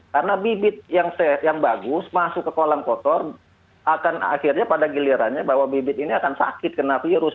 karena bibit yang sehat yang bagus masuk ke kolam kotor akan akhirnya pada gilirannya bahwa bibit ini akan sakit kena virus